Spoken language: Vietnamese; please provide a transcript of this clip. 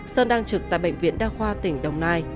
sơn đang trực tại bệnh viện đa khoa tỉnh đồng nai